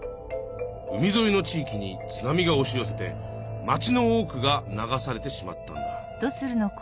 海ぞいの地いきに津波がおしよせて町の多くが流されてしまったんだ。